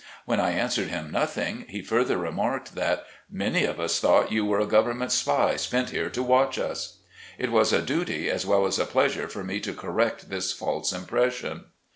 When I answered him, nothing, he further remarked that "Many of us thought you were a government spy sent here to watch us." It was a duty as well as a pleasure for me to correct this false impression.